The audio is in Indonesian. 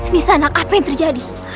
di sana apa yang terjadi